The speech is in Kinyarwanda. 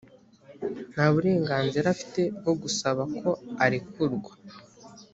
nta burenganzira afite bwo gusaba ko arekurwa